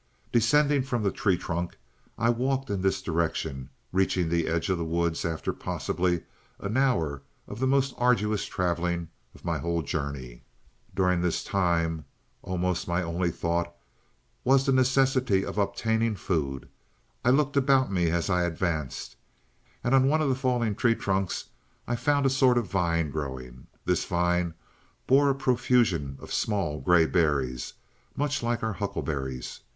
"Descending from the tree trunk I walked in this direction, reaching the edge of the woods after possibly an hour of the most arduous traveling of my whole journey. "During this time almost my only thought was the necessity of obtaining food. I looked about me as I advanced, and on one of the fallen tree trunks I found a sort of vine growing. This vine bore a profusion of small gray berries, much like our huckleberries.